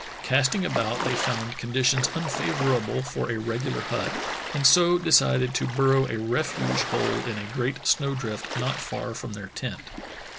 Casting about they found conditions unfavorable for a regular hut, and so decided to burrow a refuge hole in a great snow drift not far from their tent.